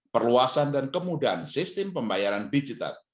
perluasan dan kemudahan sistem pembayaran digital